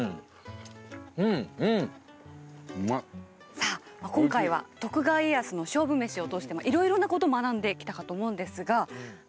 さあ今回は徳川家康の勝負メシを通していろいろなことを学んできたかと思うんですが皆さんいかがでしたか？